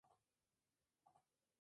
Su cubierta es a dos aguas.